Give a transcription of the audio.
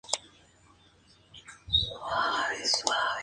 Está escrito por Steve Callaghan y dirigido por Pete Michels.